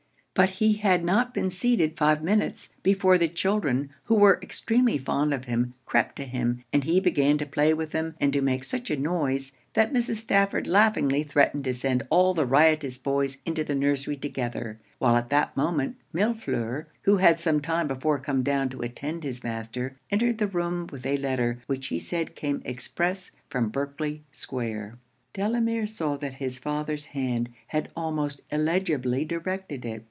But he had not been seated five minutes, before the children, who were extremely fond of him, crept to him, and he began to play with them and to make such a noise, that Mrs. Stafford laughingly threatened to send all the riotous boys into the nursery together when at that moment Millefleur, who had some time before come down to attend his master, entered the room with a letter which he said came express from Berkley square. Delamere saw that his father's hand had almost illegibly directed it.